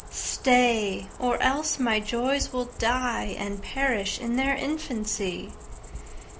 Stay! or else my joys will die, And perish in their infancy.